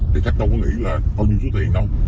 thì chắc đâu có nghĩ là bao nhiêu số tiền đâu